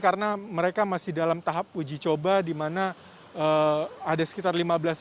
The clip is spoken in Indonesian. karena mereka masih dalam tahap uji coba dimana ada sekitar lima belas